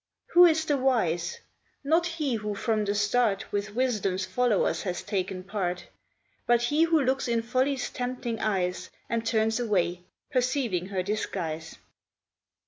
Who is the wise? Not he who from the start With Wisdom's followers has taken part; But he who looks in Folly's tempting eyes, And turns away, perceiving her disguise.